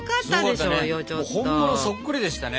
もう本物そっくりでしたね。